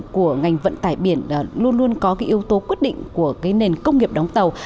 của ngành vận tải biển luôn luôn có cái yếu tố quyết định của cái nền công nghiệp đóng tàu